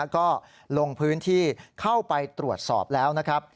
ก็ลงพื้นที่เข้าไปตรวจสอบแล้วนะครับ